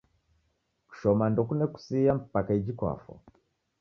Kushoma ndokune kusia mpaka iji kwafa